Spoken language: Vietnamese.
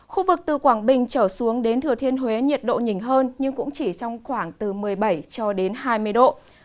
khu vực từ quảng bình trở xuống đến thừa thiên huế nhiệt độ nhìn hơn nhưng cũng chỉ trong khoảng từ một mươi bảy cho đến hai mươi độ